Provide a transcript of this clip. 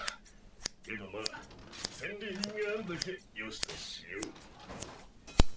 けどまあ戦利品があるだけよしとしよう。